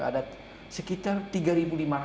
ada sekitar tiga lima ratus